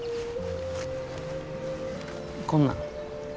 こんなん。